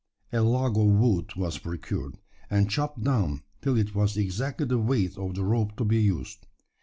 A log of wood was procured, and chopped down, till it was exactly the weight of the rope to be used.